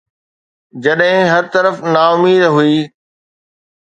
جڏهن هر طرف نا اميد هئي.